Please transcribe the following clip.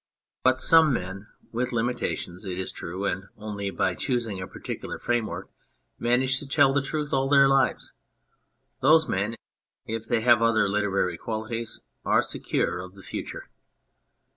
Hut some men with limitations, it is true, and only by choosing a particular framework manage to tell the truth all their lives ; those men, if they have other literary qualities, are secure of the future.